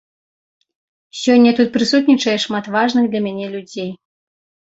Сёння тут прысутнічае шмат важных для мяне людзей.